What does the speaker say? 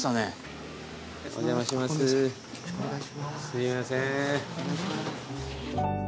すいません。